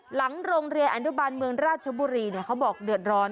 หลังโรงเรียนอนุบาลเมืองราชบุรีเขาบอกเดือดร้อน